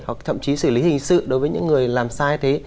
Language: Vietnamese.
hoặc thậm chí xử lý hình sự đối với những người làm sai thế